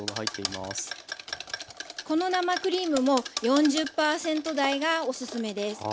この生クリームも４０％台がおすすめです。